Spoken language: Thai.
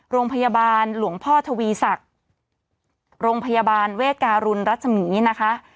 โรงพยาบาลหลวงพ่อทวีศักดิ์โรงพยาบาลเวทการุณรัศมีนะคะ